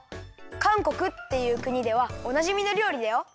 かんこくっていうくにではおなじみのりょうりだよ。